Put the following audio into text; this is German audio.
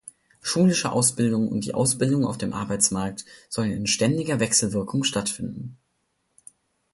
Schulische Ausbildung und die Ausbildung auf dem Arbeitsmarkt sollen in ständiger Wechselwirkung stattfinden.